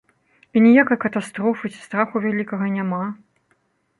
І ніякай катастрофы ці страху вялікага няма.